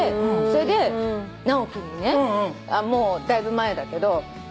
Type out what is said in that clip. それで直樹にねもうだいぶ前だけどやってみなよ